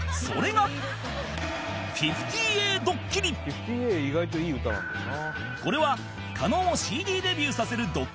「５０ＴＡ意外といい歌なんだよな」